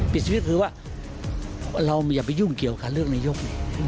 ปิดชีวิตคือว่าเราอย่าไปยุ่งเกี่ยวกับการเลือกนายก